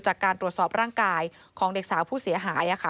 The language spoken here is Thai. จากการตรวจสอบร่างกายของเด็กสาวผู้เสียหาย